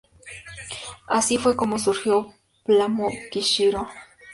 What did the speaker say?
Así fue como surgió "Plamo-Kyoshiro".